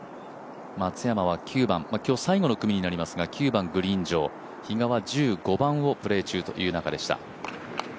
松山は最後の組になりますが９番グリーン上比嘉は１５番をプレー中という中でした。